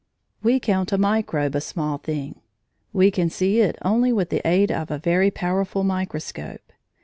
We count a microbe a small thing; we can see it only with the aid of a very powerful microscope.